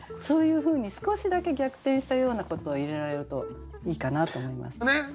そういうふうに少しだけ逆転したようなことを入れられるといいかなと思います。